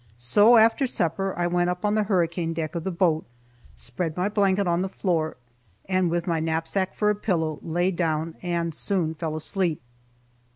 So, after supper I went up on the hurricane deck of the boat, spread my blanket on the floor, and with my knapsack for a pillow, laid down and soon fell asleep.